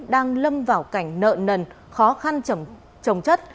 đang lâm vào cảnh nợ nần khó khăn trồng chất